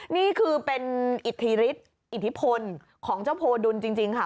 นี่คือเป็นอิทธิฤทธิอิทธิพลของเจ้าโพดุลจริงค่ะ